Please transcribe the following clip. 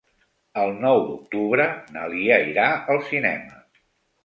El nou d'octubre na Lia irà al cinema.